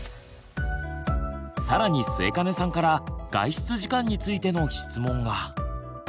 更に末金さんから外出時間についての質問が。